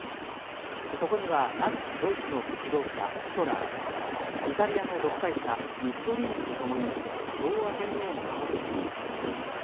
そこにはナチスドイツの指導者、ヒトラーイタリアの独裁者ムッソリーニとともに昭和天皇の顔写真が。